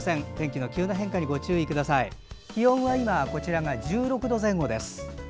気温は今こちらが１６度前後です。